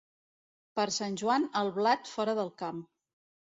Per Sant Joan, el blat fora del camp.